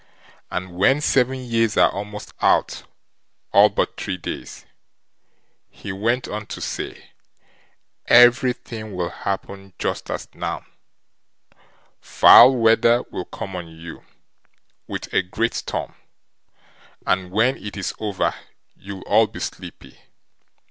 And when seven years are almost out all but three days", he went on to say, "everything will happen just as now; foul weather will come on you, with a great storm, and when it is over you'll all be sleepy.